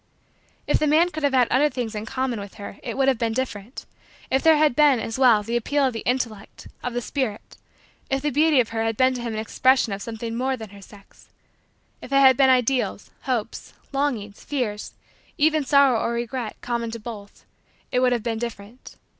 If the man could have had other things in common with her it would have been different. If there had been, as well, the appeal of the intellect of the spirit if the beauty of her had been to him an expression of something more than her sex if there had been ideals, hopes, longings, fears, even sorrow or regret, common to both, it would have been different.